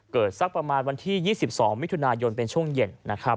สักประมาณวันที่๒๒มิถุนายนเป็นช่วงเย็นนะครับ